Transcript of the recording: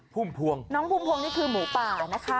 พุ่มพวงน้องพุ่มพวงนี่คือหมูป่านะคะ